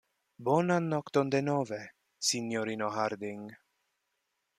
Bonan nokton, denove, sinjorino Harding.